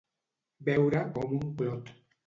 Beure com un clot.